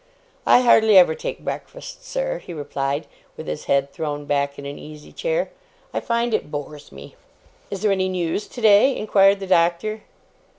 'I hardly ever take breakfast, sir,' he replied, with his head thrown back in an easy chair. 'I find it bores me.' 'Is there any news today?' inquired the Doctor.